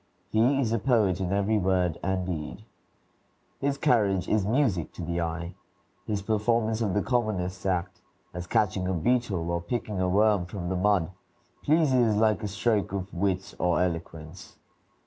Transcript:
He is a poet in very word and deed. His carriage is music to the eye. His performance of the commonest act, as catching a beetle, or picking a worm from the mud, pleases like a stroke of wit or eloquence.